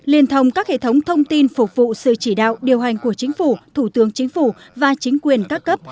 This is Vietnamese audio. liên thông các hệ thống thông tin phục vụ sự chỉ đạo điều hành của chính phủ thủ tướng chính phủ và chính quyền các cấp